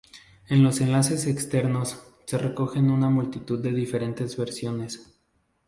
En los enlaces externos, se recogen una multitud de diferentes versiones.